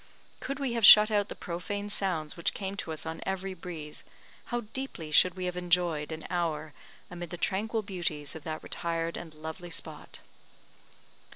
Could we have shut out the profane sounds which came to us on every breeze, how deeply should we have enjoyed an hour amid the tranquil beauties of that retired and lovely spot!